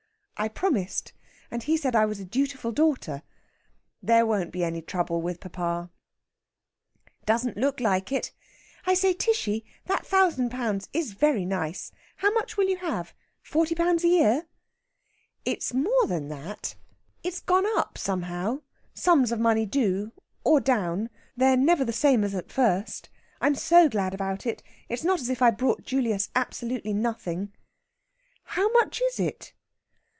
I promised, and he said I was a dutiful daughter. There won't be any trouble with papa." "Don't look like it! I say, Tishy, that thousand pounds is very nice. How much will you have? Forty pounds a year?" "It's more than that. It's gone up, somehow sums of money do or down. They're never the same as at first. I'm so glad about it. It's not as if I brought Julius absolutely nothing." "How much is it?"